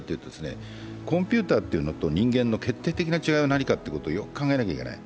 コンピューターというのと人間の決定的な違いは何かというのをよく考えなきゃいけない。